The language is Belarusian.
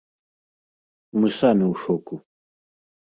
Мы самі ў шоку.